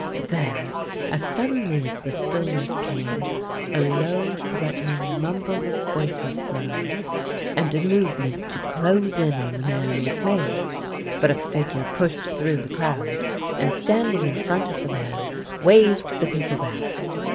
Then, as suddenly as the stillness came, a low, threatening mumble of voices rose, and a movement to close in on the man was made ; but a figure pushed through the crowd, and, standing in front of the man, waved the people back.